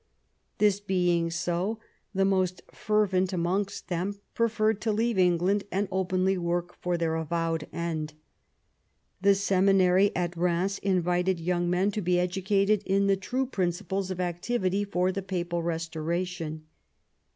This being so, the most fervent amongst them preferred to leave England and openly work for their avowed end. The seminary at Rheims invited young men (to be educated in the true principles of activity for le Papal restoration.